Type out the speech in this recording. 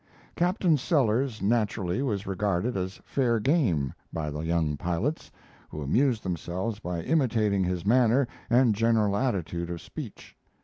Captain Sellers naturally was regarded as fair game by the young pilots, who amused themselves by imitating his manner and general attitude of speech.